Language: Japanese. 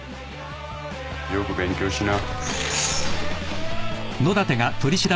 よく勉強しな。